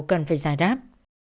cần phải giải đáp